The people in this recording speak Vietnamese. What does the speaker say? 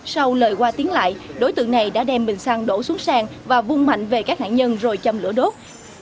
sau lời qua tiếng lại đối tượng này đã đem bình xăng đổ xuống sang và vung mạnh về các nạn nhân rồi châm lửa đốt